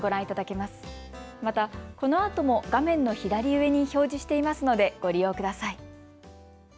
また、このあとも画面の左上に表示していますのでご利用ください。